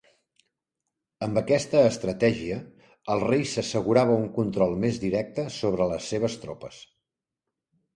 Amb aquesta estratègia, el Rei s'assegurava un control més directe sobre les seves tropes.